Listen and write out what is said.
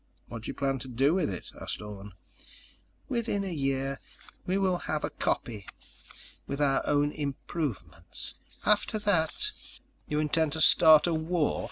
"What do you plan to do with it?" asked Orne. "Within a year we will have a copy with our own improvements. After that—" "You intend to start a war?"